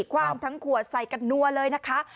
คว่างทั้งขวดใส่กันนัวเลยนะคะ